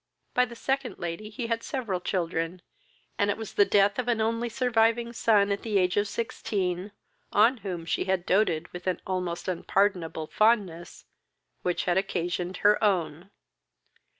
By the second lady, he had several children, and it was the death of an only surviving son, at the age of sixteen, on whom she had doted with an almost unpardonable fondness, which had occasioned her own.